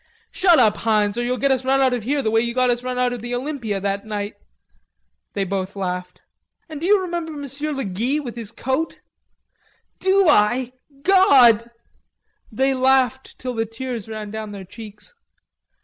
"Shut up, Heinz, or you'll get us run out of here the way you got us run out of the Olympia that night." They both laughed. "An' d'you remember Monsieur Le Guy with his coat? "Do I? God!" They laughed till the tears ran down their cheeks.